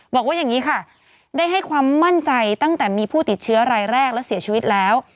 บอกว่าอย่างนี้ค่ะได้ให้ความมั่นใจตั้งแต่มีผู้ติดเชื้อรายแรกและเสียชีวิตแล้ว